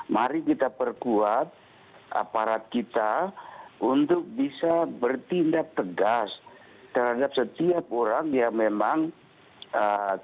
mari kita perkuat aparat kita untuk bisa bertindak tegas terhadap setiap orang yang memang tidak